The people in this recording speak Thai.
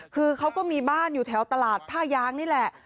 คือเขาก็มีบ้านอยู่แถวตลาดท่ายางนี่แหละ